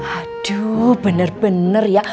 aduh bener bener ya